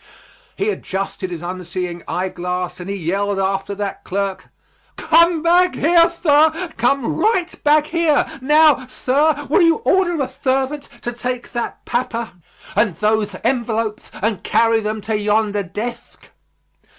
He adjusted his unseeing eye glass and he yelled after that clerk: "Come back here, thir, come right back here. Now, thir, will you order a thervant to take that papah and thothe envelopes and carry them to yondah dethk."